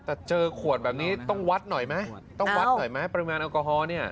แต่เจอขวดแบบนี้ต้องวัดหน่อยไหมต้องวัดหน่อยไหมปริมาณแอลกอฮอล์เนี่ย